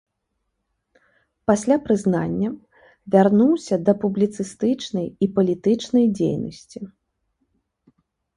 Пасля прызнання вярнуўся да публіцыстычнай і палітычнай дзейнасці.